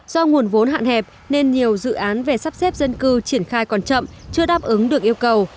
do nguồn vốn hạn hẹp nên nhiều dự án về sắp xếp dân cư triển khai còn chậm chưa đáp ứng được yêu cầu